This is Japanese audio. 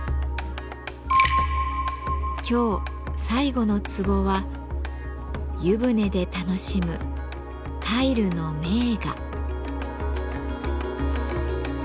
今日最後の壺は「湯船で楽しむタイルの名画」。